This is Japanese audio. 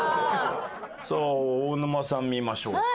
さあ大沼さん見ましょうか。